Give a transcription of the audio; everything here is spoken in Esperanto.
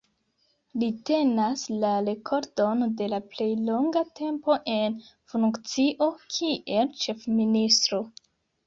Li tenas la rekordon de la plej longa tempo en funkcio kiel Ĉefministro.